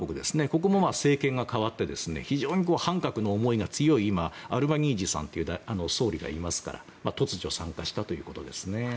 ここも政権が代わって非常に反核の思いが強いアルバニージーさんという総理がいますから突如参加したということです。